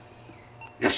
よし！